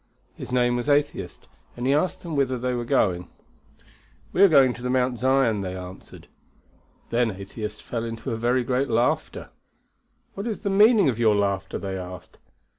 His name was Atheist, and he asked them whither they were going? We are going to the Mount Zion, they answered. Then Atheist fell into a very great laughter. What is the meaning of your laughter? they asked.